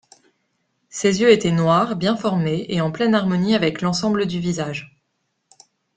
Ses yeux étaient noirs, bien formés et en pleine harmonie avec l'ensemble du visage.